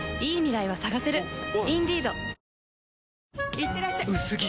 いってらっしゃ薄着！